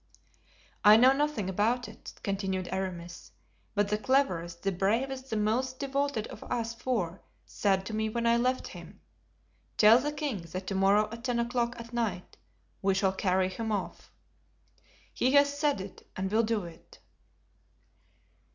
"I know nothing about it," continued Aramis, "but the cleverest, the bravest, the most devoted of us four said to me when I left him, 'Tell the king that to morrow at ten o'clock at night, we shall carry him off.' He has said it and will do it."